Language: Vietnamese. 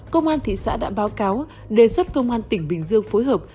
công an thị xã đã báo cáo đề xuất công an tỉnh bình dương phối hợp